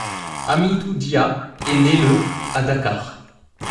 Hamidou Dia est né le à Dakar.